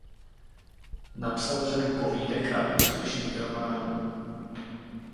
Napsal řadu povídek a úspěšných románů.